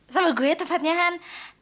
sama gue tepatnya han